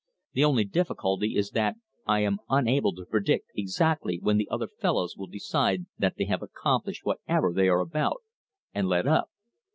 The only difficulty is that I am unable to predict exactly when the other fellows will decide that they have accomplished whatever they are about, and let up.